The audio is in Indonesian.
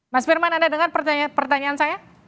mas firman anda dengar pertanyaan saya